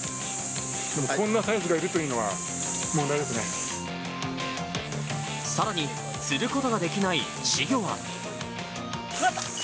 でも、こんなサイズがいるというさらに、釣ることができないかかった。